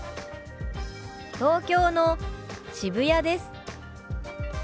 「東京の渋谷です」。